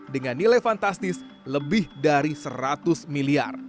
dengan nilai fantastis lebih dari seratus miliar